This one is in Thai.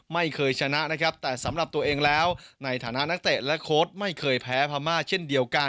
ไม่เคยชนะนะครับแต่สำหรับตัวเองแล้วในฐานะนักเตะและโค้ดไม่เคยแพ้พม่าเช่นเดียวกัน